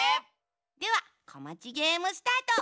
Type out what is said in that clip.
では「こまちゲーム」スタート！